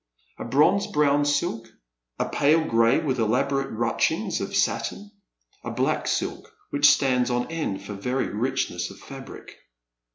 A bronze brown silk; a pale gray, >ith elaborate ruchings of satin ; a black silk, which stands ou end for very richness of fabric.